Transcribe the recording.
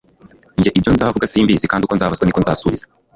Njye ibyo nzavuga simbizi kandi uko nzabazwa niko nzasubiza